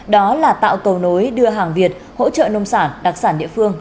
đó là tạo cầu nối đưa hàng việt hỗ trợ nông sản đặc sản địa phương